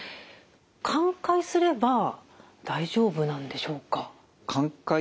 寛解すれば大丈夫なんでしょうか？